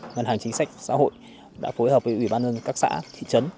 ngân hàng chính sách xã hội đã phối hợp với ủy ban nhân dân các xã thị trấn